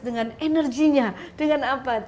dengan energinya dengan apa